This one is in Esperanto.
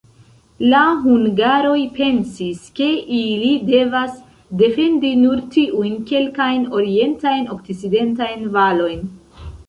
La hungaroj pensis, ke ili devas defendi nur tiujn kelkajn orientajn-okcidentajn valojn.